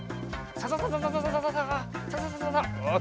サササササッ。